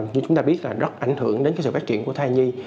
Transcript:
như chúng ta biết là rất ảnh hưởng đến sự phát triển của thai nhi